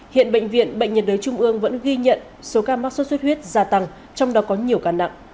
hiện bệnh viện bệnh nhiệt đới trung ương vẫn ghi nhận số ca mắc sốt xuất huyết gia tăng trong đó có nhiều ca nặng